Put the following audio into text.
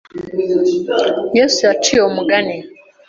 Yesu yaciye uwo mugani